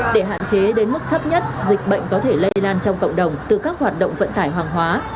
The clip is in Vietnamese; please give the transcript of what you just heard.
để hạn chế đến mức thấp nhất dịch bệnh có thể lây lan trong cộng đồng từ các hoạt động vận tải hàng hóa